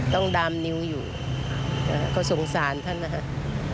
ต้องดามนิ้วอยู่เขาสงสารท่านนะครับ